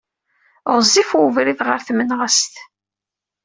Ɣezzif ubrid ɣer Tmenɣast.